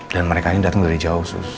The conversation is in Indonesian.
dan mereka ini datang dari jauh sus